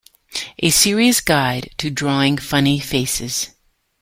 A Serious Guide to Drawing Funny Faces".